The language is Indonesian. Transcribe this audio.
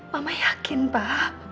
mama yakin pak